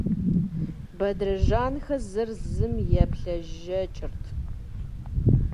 Бэдрэжанхэр зыр зым еплъыжьэкӏырт.